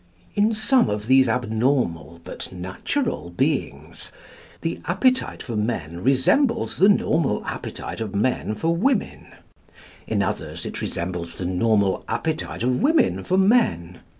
In some of these abnormal, but natural, beings, the appetite for men resembles the normal appetite of men for women; in others it resembles the normal appetite of women for men.